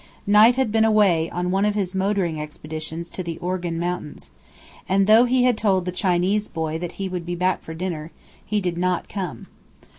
Knight had been away on one of his motoring expeditions to the Organ Mountains, and though he had told the Chinese boy that he would be back for dinner, he did not come.